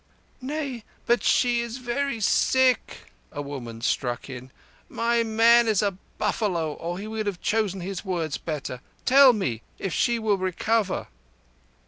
"Nay, but she is very sick," a woman struck in. "My man is a buffalo, or he would have chosen his words better. Tell me if she recover?"